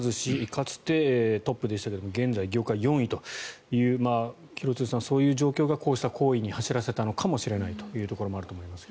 かつてトップでしたが現在は業界４位という廣津留さん、そういう状況がこうした行為に走らせたのかもしれないというところもあるかと思います。